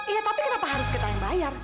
iya tapi kenapa harus kita yang bayar